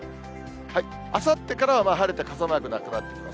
あさってからは晴れて傘マークなくなってきます。